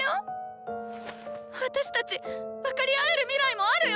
私たち分かり合える未来もあるよ！」。